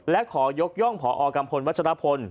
และขอยกย่องพอกัมพลวัชรพล